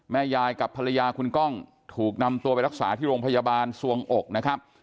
แม่ยายกับภรรยาคุณกล้องถูกนำตัวไปรักษาที่โรงพยาบาลสวงอกนะครับ